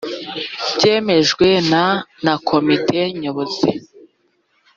byemejwe na na komite nyobozi